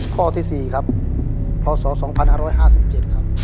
ข้อที่๔ครับพศ๒๕๕๗ครับ